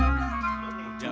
potong aja udah